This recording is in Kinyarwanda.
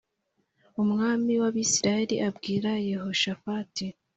Umwami w’Abisirayeli abwira Yehoshafati